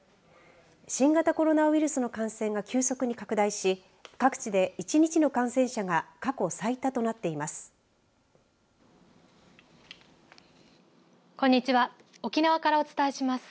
新型コロナウイルスの感染が急速に拡大し各地で１日の感染者が過去最多となっています。